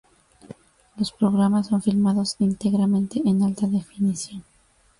Los programas son filmados íntegramente en alta definición.